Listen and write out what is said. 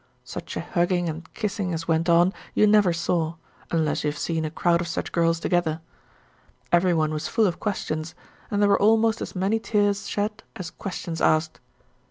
Such a hugging and kissing as went on, you never saw, unless you have seen a crowd of such girls together. Every one was full of questions, and there were almost as many tears shed as questions asked.